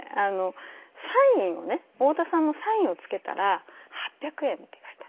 サインをね太田さんのサインを付けたら８００円って言われた。